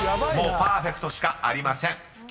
もうパーフェクトしかありません］